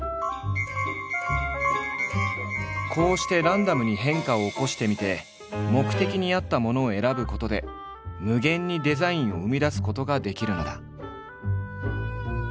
こうしてランダムに変化を起こしてみて目的に合ったものを選ぶことで無限にデザインを生み出すことができるのだ。